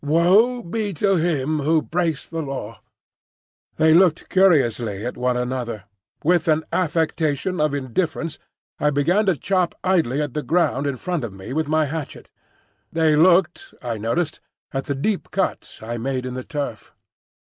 Woe be to him who breaks the Law!" They looked curiously at one another. With an affectation of indifference I began to chop idly at the ground in front of me with my hatchet. They looked, I noticed, at the deep cuts I made in the turf.